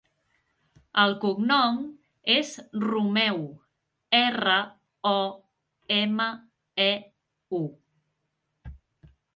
El cognom és Romeu: erra, o, ema, e, u.